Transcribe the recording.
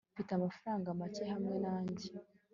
mfite amafaranga make hamwe nanjye